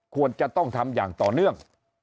ควรจะต้องทำอย่างต่อเนื่อง